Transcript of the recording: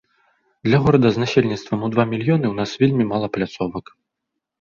Для горада з насельніцтвам у два мільёны у нас вельмі мала пляцовак.